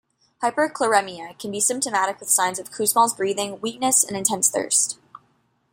Hyperchloremia can be symptomatic with signs of Kussmaul's breathing, weakness, and intense thirst.